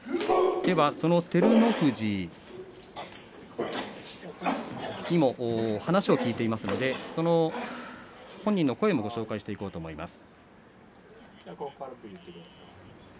その照ノ富士にも話を聞いていますので本人の声をご紹介していきます。